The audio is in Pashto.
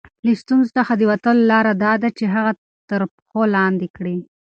له ستونزو څخه د وتلو لاره دا ده چې هغه تر پښو لاندې کړئ.